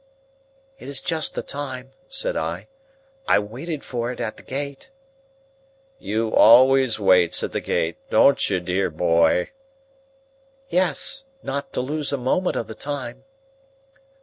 "It is just the time," said I. "I waited for it at the gate." "You always waits at the gate; don't you, dear boy?" "Yes. Not to lose a moment of the time."